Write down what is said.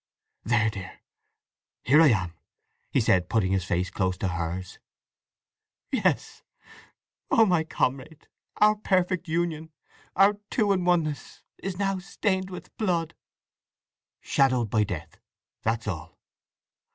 "There, dear; here I am," he said, putting his face close to hers. "Yes… Oh, my comrade, our perfect union—our two in oneness—is now stained with blood!" "Shadowed by death—that's all."